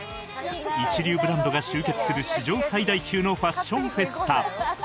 一流ブランドが集結する史上最大級のファッションフェスタ